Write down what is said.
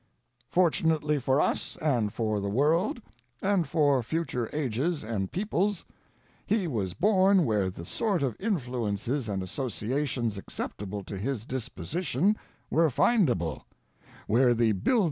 Fortunately for us and for the world and for future ages and peoples, he was born where the sort of influences and associa tions acceptable to his disposition were findable ; where the build A DEFENCE OF GENERAL FUWBTON.